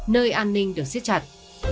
nơi an ninh được xiết chặt